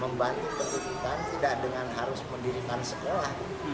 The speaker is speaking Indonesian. membantu pendidikan tidak dengan harus mendirikan sekolah